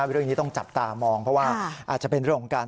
เรื่องนี้ต้องจับตามองเพราะว่าอาจจะเป็นเรื่องของการ